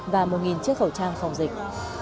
và một chiếc khẩu trang phòng dịch